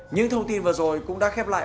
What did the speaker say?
những thông tin vừa rồi cũng đã khép lại